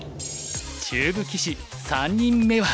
中部棋士３人目は。